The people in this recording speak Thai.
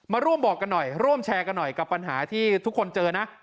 มาร่วมบอกกันหน่อยร่วมแชร์กันหน่อยกับปัญหาที่ทุกคนเจอนะ